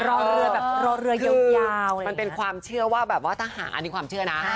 รอเรือแบบรอเรือยาวมันเป็นความเชื่อว่าแบบว่าทหารอันนี้ความเชื่อนะ